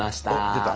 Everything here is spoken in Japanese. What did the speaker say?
出た。